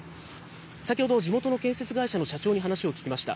先ほど地元の建設会社の社長に話を聞きました。